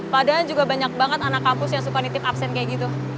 padahal juga banyak banget anak kampus yang suka nitip absen kayak gitu